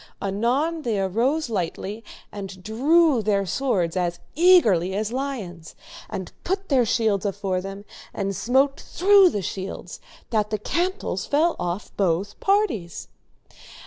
Anon they arose lightly and drew their swords as eagerly as lions, and put their shields afore them, and smote through the shields, that the cantels fell off both parties.